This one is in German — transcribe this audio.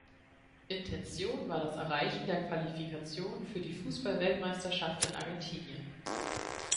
Intention war das Erreichen der Qualifikation für die Fußballweltmeisterschaft in Argentinien.